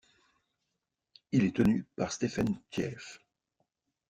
Il est tenu par Stephen Tjephe.